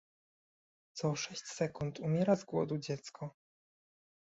Co sześć sekund umiera z głodu dziecko